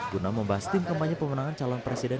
guna membahas tim kampanye pemenangan calon presiden